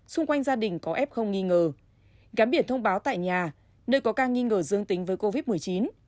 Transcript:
xung quanh gia đình có f nghi ngờ gắn biển thông báo tại nhà nơi có ca nghi ngờ dương tính với covid một mươi chín